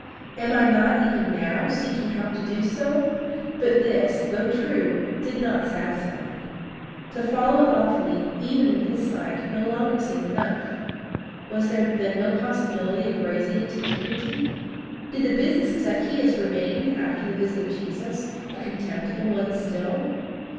Am I not even now seeking how to do so? But this, though true, did not satisfy me. To follow it lawfully even in his sight no longer seemed enough. Was there then no possibility of raising it to dignity? Did the business of Zacchaeus remain, after the visit of Jesus, a contemptible one still?